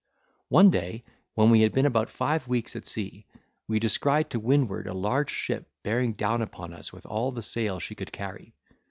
One day, when we had been about five weeks at sea, we descried to windward a large ship bearing down upon us with all the sail she could carry.